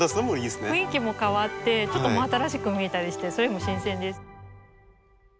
雰囲気も変わってちょっと真新しく見えたりしてそれも新鮮です。